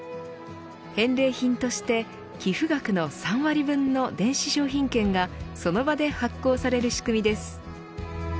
返礼品として寄付額の３割分の電子商品券がその場で発行される仕組みです。